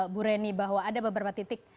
bu reni bahwa ada beberapa titik